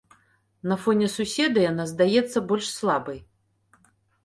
На фоне суседа яна здаецца больш слабай.